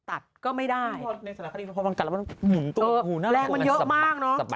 อะไรนะฮะ